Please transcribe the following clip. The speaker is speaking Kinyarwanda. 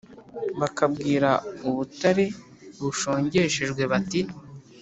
bakabwira ubutare bushongeshejwe bati